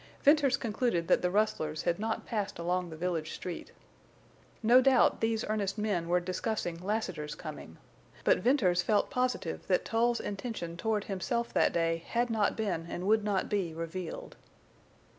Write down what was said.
Venters concluded that the rustlers had not passed along the village street. No doubt these earnest men were discussing Lassiter's coming. But Venters felt positive that Tull's intention toward himself that day had not been and would not be revealed.